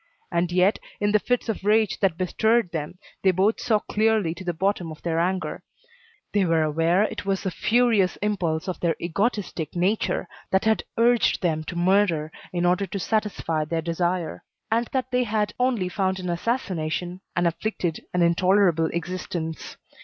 And yet, in the fits of rage that bestirred them, they both saw clearly to the bottom of their anger, they were aware it was the furious impulse of their egotistic nature that had urged them to murder in order to satisfy their desire, and that they had only found in assassination, an afflicted and intolerable existence.